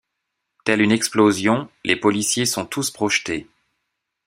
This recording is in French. Telle une explosion les policiers sont tous projetés.